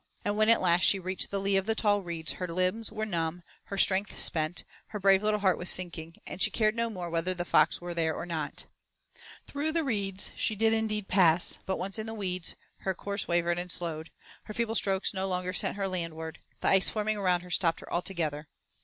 And when at last she reached the lee of the tall reeds, her limbs were numbed, her strength spent, her brave little heart was sinking, and she cared no more whether the fox were there or not. Through the reeds she did indeed pass, but once in the weeds her course wavered and slowed, her feeble strokes no longer sent her landward, the ice forming around her stopped her altogether.